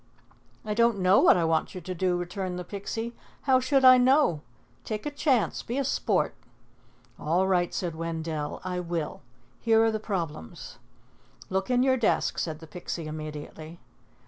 "I don't know what I want you to do," returned the Pixie. "How should I know? Take a chance. Be a sport." "All right," said Wendell. "I will. Here are the problems." "Look in your desk," said the Pixie immediately.